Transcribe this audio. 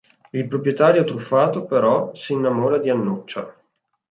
Il proprietario truffato, però, si innamora di Annuccia.